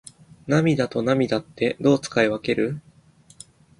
涙と泪ってどう使い分ける？